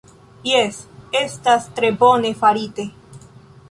Jes, estas tre bone farite